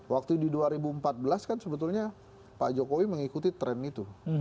waktu di dua ribu empat belas kan sebetulnya pak jokowi mengikuti tren itu